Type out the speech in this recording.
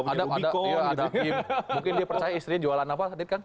ada mungkin dia percaya istrinya jualan apa tadi kan